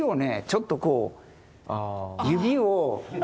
ちょっとこう指を。